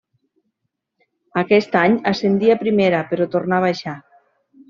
Aquest any, ascendí a primera, però tornà a baixar.